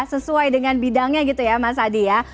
sesuai dengan bidangnya gitu ya mas adi ya